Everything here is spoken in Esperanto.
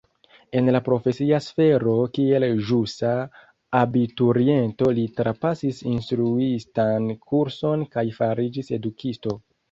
En la profesia sfero kiel ĵusa abituriento li trapasis instruistan kurson kaj fariĝis edukisto.